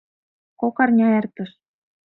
Кок арня эртыш.